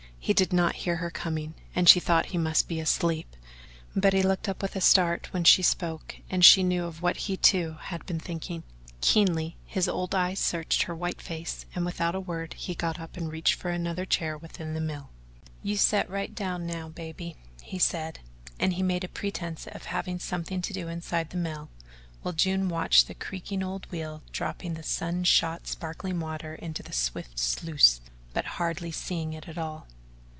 He did not hear her coming and she thought he must be asleep, but he looked up with a start when she spoke and she knew of what he, too, had been thinking. Keenly his old eyes searched her white face and without a word he got up and reached for another chair within the mill. "You set right down now, baby," he said, and he made a pretence of having something to do inside the mill, while June watched the creaking old wheel dropping the sun shot sparkling water into the swift sluice, but hardly seeing it at all.